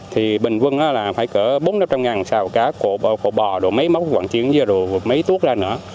thì bình quân là phải cỡ bốn trăm linh năm trăm linh ngàn xào cá cổ bò mấy móc quảng chiến mấy tuốt ra nữa